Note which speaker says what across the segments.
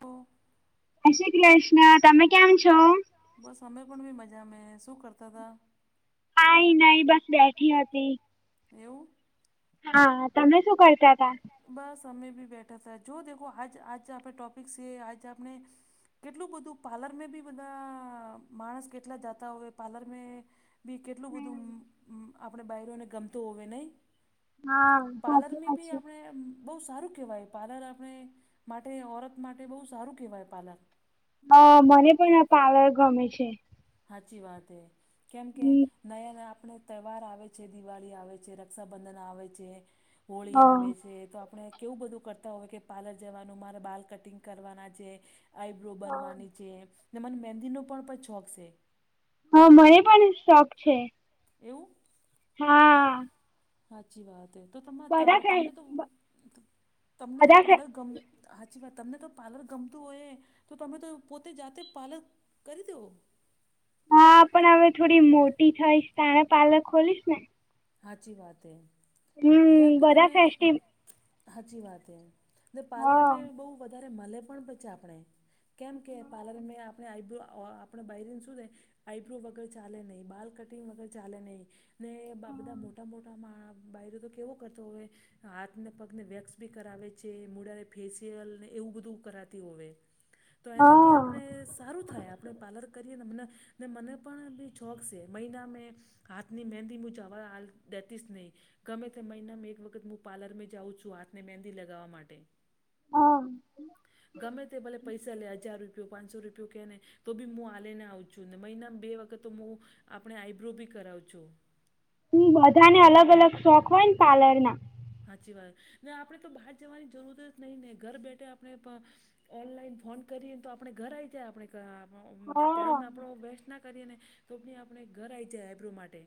Speaker 1: તો
Speaker 2: એ શ્રી કૃષ્ણ. તમે કેમ છો?
Speaker 1: બસ અમે પણ બી મજા મે શું કરતા તા?
Speaker 2: કાઈ નઈ બસ બેઠી હતી.
Speaker 1: એવું?
Speaker 2: હા તમે શું કરતા તા?
Speaker 1: બસ અમે ભી બેઠા તા જો દેખો આજ આજ આપણે ટોપિક સે આજ આપને કેટલું બધું પાર્લર મે બી બધા માણસ કેટલા જાતા હોય પાર્લર મે ભી કેટલું બધું અમ
Speaker 2: હમ,
Speaker 1: અમ આપણે બાયરોને ગમતો હોવે નહીં?
Speaker 2: હા
Speaker 1: પાર્લર
Speaker 2: સાચી
Speaker 1: મે
Speaker 2: વાત
Speaker 1: ભી
Speaker 2: છે.
Speaker 1: આપ ને બહુ સારું કેવાય પાર્લર આપણે માટે ઓરત માટે બહુ સારું કેવાય પાર્લર.
Speaker 2: અ મને પણ આ પાર્લર ગમે છે.
Speaker 1: હાચી વાતે કેમ કે નયા ન આપણે તહેવાર આવે છે દિવાળી આવે છે, રક્ષાબંધન આવે છે. હોળી
Speaker 2: હા.
Speaker 1: આવે છે તો આપણે કેવું બધું કરતા હોય કે પાર્લર જવાનું મારે બાલ કટિંગ કરવાના છે. આઈબ્રો બનવાની છે ને મને મહેંદીનો પણ પછ છોખ સે.
Speaker 2: હહ મને પણ શોખ છે.
Speaker 1: એવું?
Speaker 2: હા
Speaker 1: હાચી વાત હે તો તમા તા
Speaker 2: બધા ફે
Speaker 1: તમને તો તમને તો
Speaker 2: બધા ફે
Speaker 1: પાર્લર ગમ હાચી વાત તમને તો પાર્લર ગમતું હોય તો તમે તો પોતે જાતે પાર્લર કરી દો.
Speaker 2: હા પણ હવે થોડી મોટી થઈશ તાણે પાર્લર ખોલીશ ને.
Speaker 1: હાચી વાત એ કેમ
Speaker 2: હમ
Speaker 1: કે
Speaker 2: બધા
Speaker 1: તમે
Speaker 2: ફેસ્ટિવ
Speaker 1: [inaudible] હાચી વાત એ ને પાર્લર
Speaker 2: હા.
Speaker 1: મેં બહુ વધારે મલે પણ છે આપણે. કેમ કે પાર્લર
Speaker 2: હા.
Speaker 1: મેં આપણે આઈબ્રો અ આપણે બયરીને શું છે આઈબ્રો વગર ચાલે નહીં, બાલ કટિંગ વગર ચાલે નહીં ને બાલ આ બધા મોટા મોટામાં બાયરો તો કેવો કરતો હોય. હાથને પગને વેક્સ બી કરાવે છે, મૂડાને ફેસિયલને એવું બધું કરાતી હોવે. તો એનાથી
Speaker 2: હા
Speaker 1: આપણે સારું થાય આપણે પાર્લર કરીએ ને મને ને મને પણ બી છોક છે મહિના મેં હાથની મેંદી મું જા બ આલ દેતી સ નહીં. ગમે તે મહિનામાં એક વખત હું પાર્લરમાં જાઉ છું હાથ ને મહેંદી લગાવવા માટે
Speaker 2: હા.
Speaker 1: ગમે તે ભલે પૈસા લે હજાર રૂપ પિયો, પાંચસો રૂપિયો કે ને તો બી મું આલીને આઉ છું ને મહિના બે વખત તો મું આપણે આઈબ્રો બી કરાવજો.
Speaker 2: હમ બધાંને અલગ અલગ શોખ હોય ને પાર્લરના.
Speaker 1: હાચી વાત ને આપણે તો બહાર જવાની જરૂર જ નહી ને ઘર બેઠે આપણે ઓનલાઈન ફોન કરીયે તો આપણે ઘર આવી જાય આપણે
Speaker 2: હા
Speaker 1: ટાઈમ આપણો વેસ્ટ ના કરીએ ને તોભી આપણે ઘર આવી જાય આઈ બ્રો માટે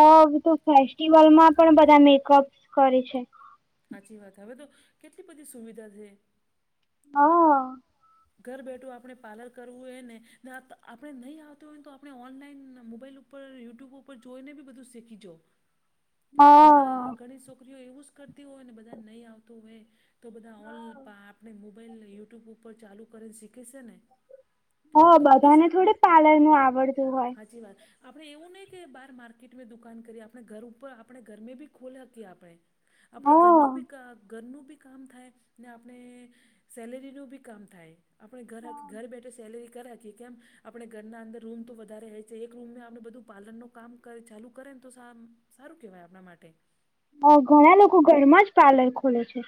Speaker 2: હ તો ફેસ્ટિવલમાં પણ બધા મેકઅપ કરે છે
Speaker 1: હાચી વાત છે હવે તો કેટલી બધી સુવિધા ધે
Speaker 2: હા
Speaker 1: ઘર બેઠું આપણે પ્લર કરવું હોય નેને આપણે નહીં આવતું હોય ને તો આપણે ઓનલાઈન મોબાઈલ ઉપ ઉપર યુટ્યુબ ઉપર જોઈને બી બધું શીખી જો
Speaker 2: હા
Speaker 1: ઘણા ઘણી છોકરીઓ એવું જ કરતી હોય ને બધા નહીં આવતું હોય તો બધા ઓન આપણે મોબાઈલ યુટ્યુબ ઉપર ચાલુ કરીને શીખે શે ને
Speaker 2: હ
Speaker 1: તો
Speaker 2: બધાને થોડી પાર્લર નું આવડતું હોય
Speaker 1: સાચી વાત આપણે એવું નહી કે બહાર માર્કેટમાં દુકાન કરીએ આપણે ઘર ઉપર આપણે ઘર મે બી ખોલેકીએ આપણે આપણે
Speaker 2: હા
Speaker 1: ઘરેણું ભી ક ઘરેનું બી કામ થાય ને આપણે સેલેરીનું બી કામ થાય આપણે ઘર બેઠે સેલેરી કર રાખીએ કેમ આપણે ઘરના અંદર રૂમ તો વધારે છે એક રૂમ આપડ બધું પાલર ણુ કામ કરે ચાલુ કરે ને તો સારું કેહેવાય આપણા માટે
Speaker 2: અ ઘણા લોકો ઘરમાં જ પાર્લર ખોલે છે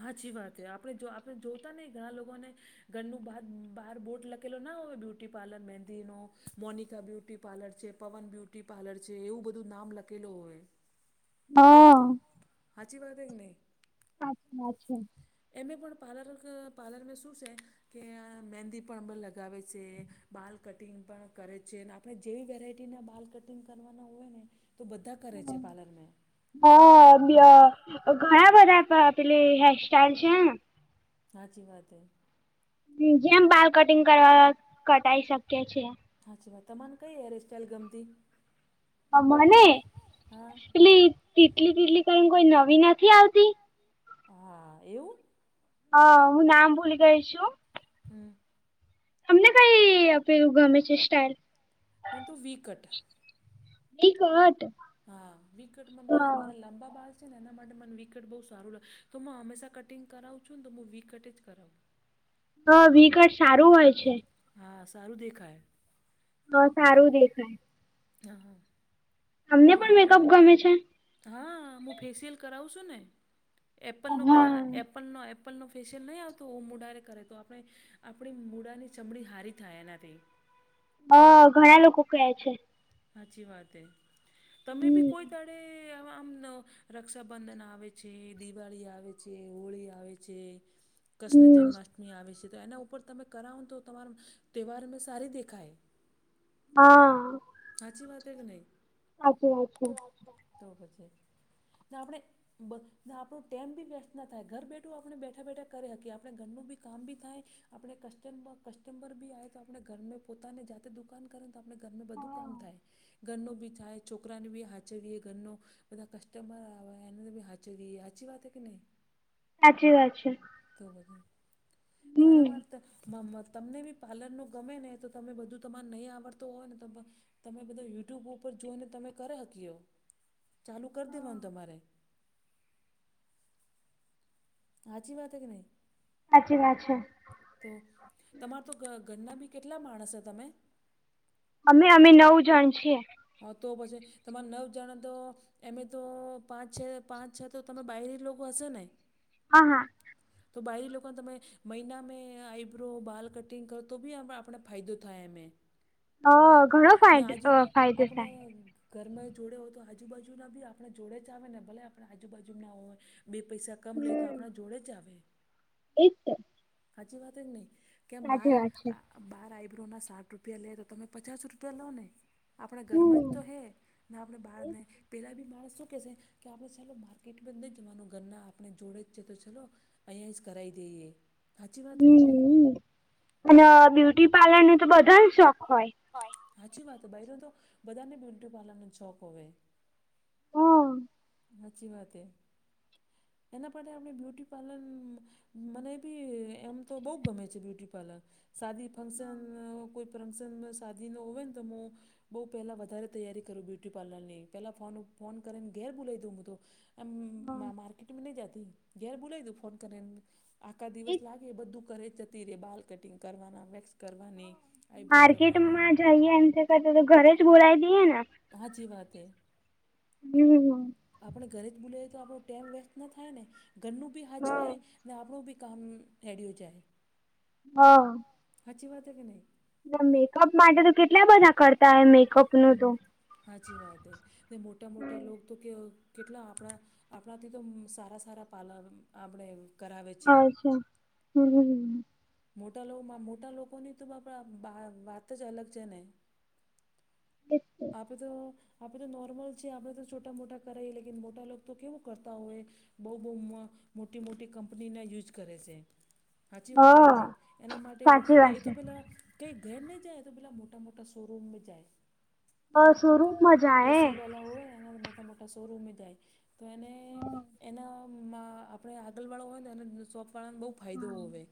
Speaker 1: હાચી વાત આપણે જો આપણે જોતા નહ ઘણા લોકોને ઘરનું બાર બહાર બોટ લખેલો ના હોય બ્યુટી પાર્લર મંદીનો મોનિકા બ્યુટી પાર્લર છે પવન બ્યુટી પાર્લર છે એવું બધું નામ લખેલ હોય
Speaker 2: હા
Speaker 1: હાચી વાગત કે ને
Speaker 2: અચ્છા અચ્ છેા
Speaker 1: એમે પણ પાર્લર પાર્લરને શું છે કે મહેંદી પણ અર લગ ગવે છે બાળ કટિંગ પણ કરે છે અને આપણે જેવી વેરાયટીના બાલ કટિંગ કરવાના હોય ને તો બધા કરે છે પાર્લર મે
Speaker 2: હ બ ઘણા બધા પેલી હેરસ્ટાાઈલ છે
Speaker 1: હાચી વાત હૈ
Speaker 2: હ જેમ બાર કટિંગ કરવા કટાઈ શકીએ છે
Speaker 1: હાચી વાત તમાને કઈ હેરસ્ટાઈઇલ ગમતી
Speaker 2: મને
Speaker 1: હા
Speaker 2: પેલી તેટલી પીટલી કર કોઈ નવી નથી આવતી
Speaker 1: હા એવું
Speaker 2: હું નામ ભૂલી ગઈ જુ
Speaker 1: હમ
Speaker 2: તમને કઈ પેલું ગમે છે સ્ટાઇલ
Speaker 1: હુ તો વી કટ
Speaker 2: વી કત
Speaker 1: હા વિ કેટ મા બોઉ મારા લાંબા બાળ છે ને એના માટે મને વીકટ બહ સારું લાગે તો હું હંમેશા કટિંગ કરાવું છું ને તો હું વીકટ જ કરાવું
Speaker 2: હ વિકટ સારું હોય છે
Speaker 1: હા સારું દેખાય
Speaker 2: તો સારું દેખાય
Speaker 1: હા હા
Speaker 2: અમને
Speaker 1: ને
Speaker 2: પણ મેકઅપ ગમે છે.
Speaker 1: હા હું ફેેશિયલ કરાવું શુ ને એપલનો પેલાં એપલનો એપ એપ્પલનો ફેશિયલ નહીં આવતો મૂડાને કરે તો આપણે આપણી મૂડાની ચમડી હારી થાય એનાથી
Speaker 2: અ ઘણા લોકો કેએ છે
Speaker 1: હાચી વાત એ તમે બી
Speaker 2: હમ
Speaker 1: કોઈ દાડે તે આમ રક્ષાબંધન આવે છે દિવાળી આવે છે હોળી આવે છે હ [unintelligible] કૃષ્ણ
Speaker 2: હમ
Speaker 1: જન્માષ્ટમી આવે છે તો એના ઉપર તમે કરાવોને તો તમારો તહેવાર અને સારી દેખાય
Speaker 2: હા
Speaker 1: સાચી વાત એ કે નહી
Speaker 2: સાચી વાત છે
Speaker 1: તો પછી આપણેે આપણો ટાઈમ બી વેસ્ટ ના થાય ઘર બેઠું આપણે બેઠા બેઠા કરે હકીએ આપણે ઘરનું બી કામ બી થાય આપણે કસ્ટમબ કસ્ટમબર બી આવે તો આપણે ઘર પોતાને જાતે દુકાન કરેને તો આપણે ઘર બધું કામ થાય ગન્નો બ થાય છોકરાને બી હાચવીએ ગન્નો બધા કસ્ટમર આવે એને હાચ સાચી વાત કે નહી
Speaker 2: સાંચી વાત છે.
Speaker 1: તો તો બધને તો એના
Speaker 2: હમ
Speaker 1: માટેર્ત મ મત [inaudible] તમને બી પાર્લરનું ગમે ને તો તમે બધું તમારે નહીં આવડતું હોય ને ત તમે બધા યુટ્યુબ ઉપર જોઈને તમે કર હકીઓ ચાલુ કરી દેવાનું તમારે હાચી વાત કે નહીં.
Speaker 2: સાચી વાત છે.
Speaker 1: તો તમાર તો ઘ ઘરના બી કેટલા માણસ હો તમે
Speaker 2: અમે અમે નવ જણ છીએ.
Speaker 1: હા તો પછી તમારે નો જાણે તો એમે તો પાંચ છ પાંચ છ તો તમે બહરી લોકો હશે ને
Speaker 2: હા હા
Speaker 1: હ તો બહરી લોકોને તમે મહિના મે આઈબ્રો બાલ કટિંગ કરો તો બી આપણને ફાયદો થાય એમ‌એ [inaudible]
Speaker 2: અ ઘણો ફાયદ‌ અ ફાયદો
Speaker 1: આપણે
Speaker 2: થાય.
Speaker 1: ઘરમાં જોડે હોય તો આજુબાજુ ના બી આપણે જોડે જ આવે ને ભલે આપે આજુબાજુ ના હોય બે પૈસા કમ લઈ તો આપણા જોડે જ આવે
Speaker 2: એમ
Speaker 1: સાચી વાત જ નહ કેમ બાર
Speaker 2: વાત છે
Speaker 1: બાર આઈબ્રોનાં સાઠ રૂપિયા લે તો તમે પચાસ રૂપિયા લો ને આપણા ઘરમાં જ
Speaker 2: હમ
Speaker 1: તો હે ના આપણે બહાર ને પેલા બી માણસ શું કેહે છે. કે આપણે ચાલો માર્કેટ બંદ નહી જવાનું ઘરના આપણે જોડે જ છે તો ચાલો અહીંયા જ કરાવી દઈએ હાચી વાત હ કે નહીં
Speaker 2: હમ અને બ્યુટી પાર્લરનો તો બધાને શોખ હોય
Speaker 1: સાચી વાત બાઈરો તો બધાને બ્યુટી પાર્લર નો શોક હોવે
Speaker 2: હા
Speaker 1: સાચી વાત એ એના માટે આપણે બ્યુટી પાર્લર મને બી એમ તો બહુ ગમે છે બ્યુટી પાર્લર સાદી ફંક્શન કોઈ ફંકશન માં શાદી ન હોયને તો મો બઉ પેલા વધારે તૈયારી કરું બ્યુટી પાર્લર ની પેલા ફોન ફોન કરીને ઘેર બોલાઈ દઉ હું તો માં માર્કેટમાં નહી જતી ઘેર બોલા તું ફોન કરી આખા દિવસ લાગે બધું કરે જતી રે બાલ કટિંગ કરવાના વેક્સ કરવાની આઈબ્રો
Speaker 2: માર્કેટ
Speaker 1: કરવાની
Speaker 2: માં જઈએ એમ કરતા તો ઘરે જ બોલાવી દઈએ ને
Speaker 1: હાચી વાત હ
Speaker 2: હમ
Speaker 1: આપણે ઘરે જ બોલાએ તો આપણો ટાઈમ વેસ્ટ ના થાય ને ઘરનું બી હાચવાય ને આપણું બી કામ એડિયુ
Speaker 2: હ
Speaker 1: જાય સાચી વાત કે નહીં
Speaker 2: મેકઅપ માટે તો કેટલા બધા કરતા હોય મેકઅપ નું તો
Speaker 1: સાચી વાત હે મોટા મોટા લોગ તો કે કેટલા આપણા આપણાથી તો સારા સારા પાર્લર આપણે કરાવે છે
Speaker 2: અચ્છા હમ
Speaker 1: મોટા મોટા લોકોની તો બાપ વાત જ અલગ છે ને
Speaker 2: હ
Speaker 1: આપ બ તો આપડણે તો નોર્મલ છે આપડણે તો છોટા મોટા કરાવાઈએ લે મોટા લોકો તો કેવું કરતા હોય બહુ બહુ મોટી મોટી કંપનીના યુઝ કરે છે સાચી વાત કે નહીં એના માટેવું
Speaker 2: સાચી વાત
Speaker 1: એ તો
Speaker 2: છે
Speaker 1: પેલા કંઈ ઘર નને જાય તો ભલા મોટા મોટા શોરૂમમાં જાય
Speaker 2: અ શુંરું મજા એ
Speaker 1: એસીવાળા હોય ને એના મોટા મોટા શોરૂમ જાય તો એને એના માં આપણે આગળવાળો હોય ને અને શોપ વાળાને બહુ ફાયદો હોવે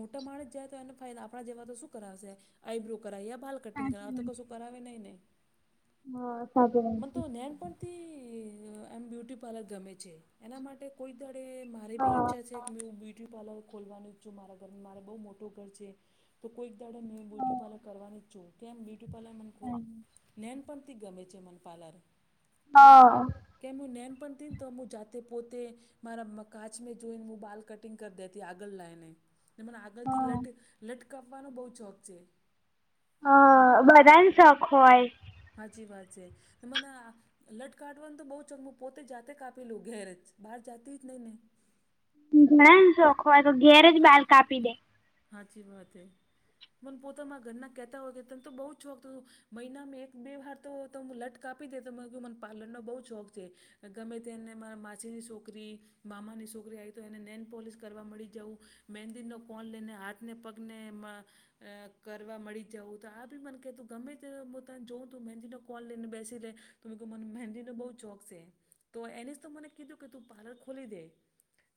Speaker 1: મોટા માણસ જાય તો એને ફાયદ આપણા જવા તો શું કરાવશે આઈબ્રો કરાવ કટિંગ કરાવ
Speaker 2: સાચી
Speaker 1: આ તો કશું કરાવે નહીં નને
Speaker 2: હ સાબ
Speaker 1: મને તો નનેનપણથી એમ બ્યુટી પાર્લર ગમે છે એના માટે કોઈ દડે મારે બી
Speaker 2: હા
Speaker 1: ઈચ્છા છે કે મેં બ્યુટી પાર્લર ખોલવાનું જો મારા ઘર મારે બહુ મોટો ઘર છે તો કોઈક દાડાે મેં બ્યુટી પાર્લર કરવાની જ છો કે્યા બ્યુટી પાર્લર મ ખૂબ ન્ઞણપ પણ તી ગમે છે મ પાર્લર
Speaker 2: હા
Speaker 1: કે હું ન પણ થ ને તો હું જાતે પોતે મારા કાચ મે જોઈને હું બાલ કટિંગ કરી દેતી આગળ લઈને ને મને આગળથી
Speaker 2: હા
Speaker 1: લટ લટકાવવાનો બહ ચોક છે.
Speaker 2: હ બધાને શોખ હોય
Speaker 1: હાજી વાત છે મને લટકાાઢવાનું તો બહઉ ચકમું પોતે જાતે કાપેલું ઘેર જ બહાર જાતી જ નહી ને
Speaker 2: ઘણા ને શોખો હોય તો ઘેર જ બાલ કાપી દે
Speaker 1: સાાચી વાત હ મને પોતામાં ઘરના કહેતા હોય કે તને તો બહુ છોક મહિનામાં એક બે વાર તોું લટક આપી દે તો મે મને પાલનનોો બહુ શોખ છે. ગમે તેને મારા માછની છોકરી મામાની છોકરી આવી તો એને નેન પોલિસ કરવા મળી જવું મેંદીનનો કોન લઈને હાથને પગનેમાં અ કરવા મળી જવું તો આ બી મને ક તું ગમે તેું તને જોઉં તું મહેંદીનો કોલ લઈને બેસી લે તો મને મહેંદી ન બહ ચોક છે તો એને જ તો મને કીધું કે તું પાર્લર ખોલી દે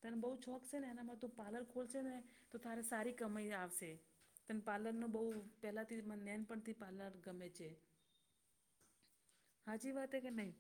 Speaker 1: તને બહુ છોક છે ને એનામાં તું પાર્લર ખોલશે ને તો તારે સારી કમાઈ આવશે- તને પાર્લરનો બહુ પહેલાથી મ નેન પણથી પાર્લર ગમે છે હાજીી વાત કે નાઈ